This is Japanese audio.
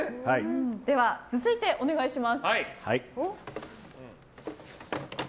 では続いてお願いします。